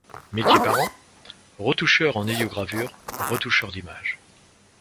Métiers parents: retoucheur en héliogravure, retoucheur d'images.